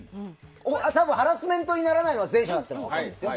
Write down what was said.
ハラスメントにならないのは前者だって分かってるんですよ。